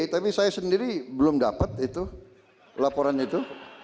tapi saya sendiri belum dapat itu laporan itu